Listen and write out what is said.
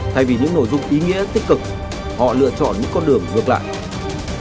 thay vì những nội dung ý nghĩa tích cực họ lựa chọn những con đường ngược lại